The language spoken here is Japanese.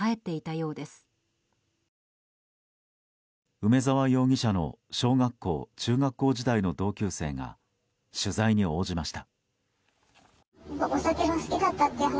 梅沢容疑者の小学校中学校時代の同級生が取材に応じました。